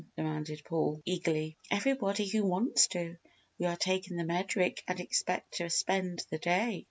demanded Paul, eagerly. "Everybody who wants to we are taking the Medric and expect to spend the day."